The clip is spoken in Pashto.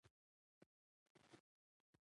کوتره د سولې نښه ګڼل کېږي.